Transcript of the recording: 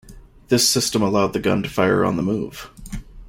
This system allowed the gun to fire on the move.